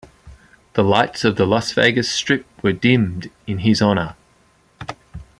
The lights of the Las Vegas Strip were dimmed in his honor.